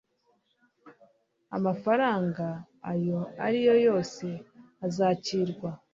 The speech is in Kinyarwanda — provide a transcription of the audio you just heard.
Amafaranga ayo ari yo yose azakirwa.